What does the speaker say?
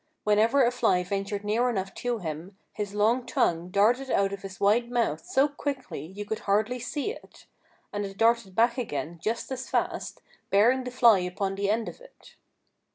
Whenever a fly ventured near enough to him his long tongue darted out of his wide mouth so quickly you could hardly see it. And it darted back again just as fast, bearing the fly upon the end of it.